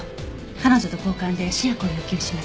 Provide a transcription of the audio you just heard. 彼女と交換で試薬を要求します。